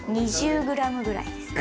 ２０ｇぐらいです。